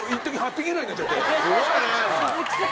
すごいね！